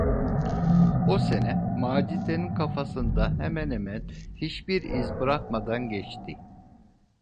O sene, Macide’nin kafasında hemen hemen hiçbir iz bırakmadan geçti.